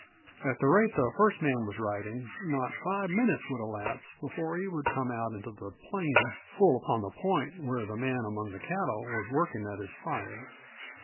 At the rate the first man was riding not five minutes would elapse before he would come out into the plain full upon the point where the man among the cattle was working at his fire.